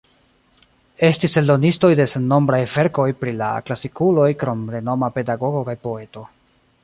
Estis eldonistoj de sennombraj verkoj pri la klasikuloj krom renoma pedagogo kaj poeto.